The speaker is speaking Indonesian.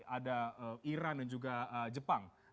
ada iran dan juga jepang